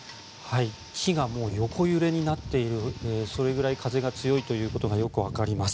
木が横揺れになっているそれぐらい風が強いということがよくわかります。